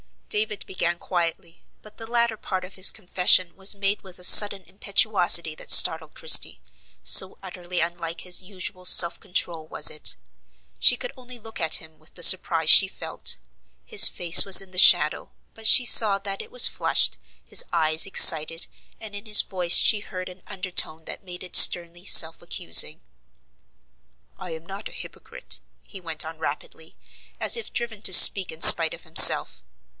David began quietly; but the latter part of this confession was made with a sudden impetuosity that startled Christie, so utterly unlike his usual self control was it. She could only look at him with the surprise she felt. His face was in the shadow; but she saw that it was flushed, his eyes excited, and in his voice she heard an undertone that made it sternly self accusing. "I am not a hypocrite," he went on rapidly, as if driven to speak in spite of himself.